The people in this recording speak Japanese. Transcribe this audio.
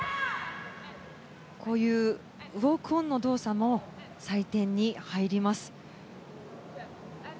こういうウォークオンの動作も採点に入ります。